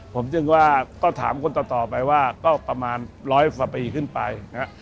ผมจึงว่าก็ถามคนต่อไปว่าก็ประมาณร้อยกว่าปีขึ้นไปนะฮะ